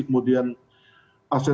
kemudian aset itu